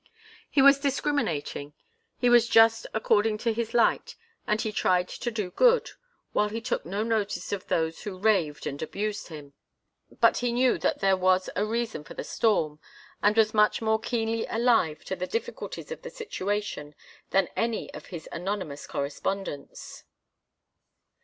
He was discriminating, he was just according to his light and he tried to do good, while he took no notice of those who raved and abused him. But he knew that there was a reason for the storm, and was much more keenly alive to the difficulties of the situation than any of his anonymous correspondents.